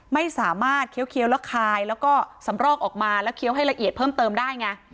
ไม่สามารถเคี้ยวแล้วคายแล้วก็สำรอกออกมาแล้วเคี้ยวให้ละเอียดเพิ่มเติมได้ไง